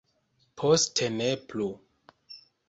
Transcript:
Poste ne plu.